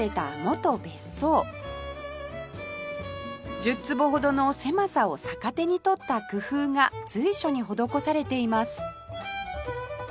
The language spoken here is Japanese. １０坪ほどの狭さを逆手に取った工夫が随所に施されています